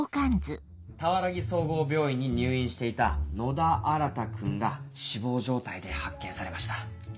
俵木総合病院に入院していた野田新君が死亡状態で発見されました。